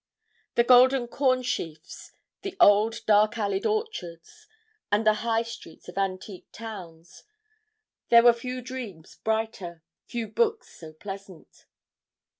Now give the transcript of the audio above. The golden corn sheafs the old dark alleyed orchards, and the high streets of antique towns. There were few dreams brighter, few books so pleasant.